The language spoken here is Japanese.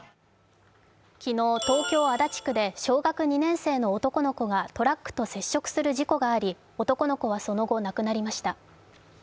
昨日、東京足立区で小学２年生の男の子がトラックと接触する事故があり男の子はその後、亡くなりました。